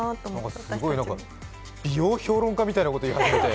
すごい美容評論家みたいなことを言っていますね。